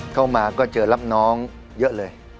เข้ามาก็เจอรับน้องเยอะเลย